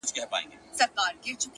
• ښکلا د دې؛ زما،